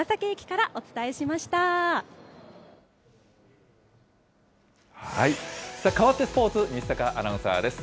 かわってスポーツ、西阪アナウンサーです。